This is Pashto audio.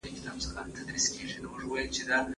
زه اوږده وخت د سبا لپاره د ليکلو تمرين کوم..